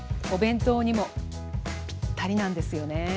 お弁当にもぴったりなんですよね。